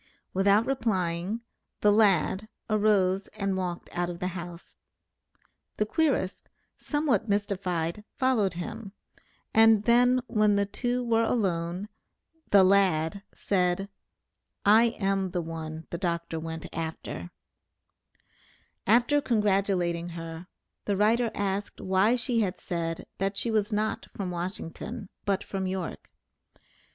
Without replying "the lad" arose and walked out of the house. The querist, somewhat mystified, followed him, and then when the two were alone, "the lad" said, "I am the one the Dr. went after." After congratulating her, the writer asked why she had said, that she was not from Washington, but from York.